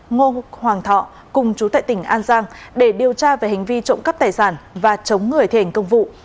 ngô hoàng thọ cùng chú tại tỉnh an giang để điều tra về hành vi trộm cắp tài sản và chống người thi hành công vụ